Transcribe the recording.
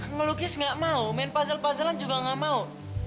ngelukis gak mau main puzzle puzzle an juga gak mau